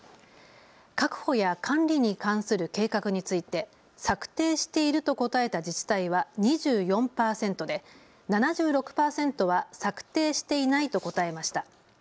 確保や管理に関する計画について策定していると答えた自治体は２４％で７６％は策定していないと答えました。